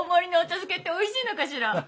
漬けっておいしいのかしら。